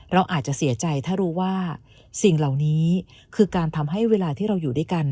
เราอาจจะเสียใจถ้ารู้ว่าสิ่งเหล่านี้คือการทำให้เวลาที่เราอยู่ด้วยกัน